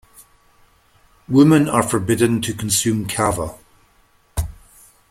Women are forbidden to consume kava.